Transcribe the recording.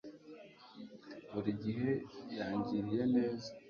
buri gihe yangiriye neza